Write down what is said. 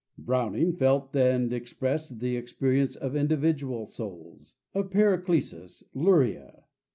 Browning felt and expressed the experience of individual souls, of "Paracelsus," "Luria."